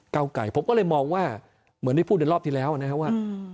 เก้าไก่ผมก็เลยมองว่าเหมือนที่พูดในรอบที่แล้วนะครับว่า